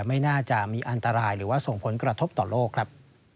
ไม่น่าจะมีอันตรายหรือว่าส่งผลกระทบต่อโลกครับ